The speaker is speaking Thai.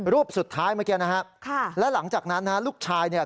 รูปสุดท้ายเมื่อกี้นะฮะค่ะแล้วหลังจากนั้นนะฮะลูกชายเนี่ย